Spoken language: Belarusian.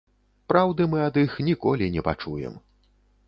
Праўды мы ад іх ніколі не пачуем.